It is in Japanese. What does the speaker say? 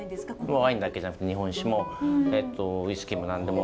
ワインだけじゃなくて日本酒もえっとウイスキーも何でも。